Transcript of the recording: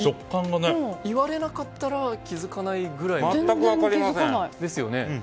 言われなかったら気づかないくらいですよね。